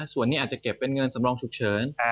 ส่วนนี้อาจจะเก็บเป็นเงินสำรองฉุกเฉิน